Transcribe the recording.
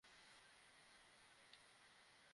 তুই এক্কবারেই রোমান্টিক না, সত্যি!